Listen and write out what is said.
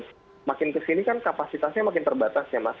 cuma pihak rumah sakit pun makin kesini kan kapasitasnya makin terbatas ya mas